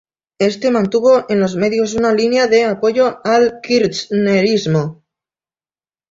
Este mantuvo en los medios una línea de apoyo al kirchnerismo.